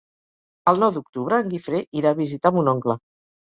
El nou d'octubre en Guifré irà a visitar mon oncle.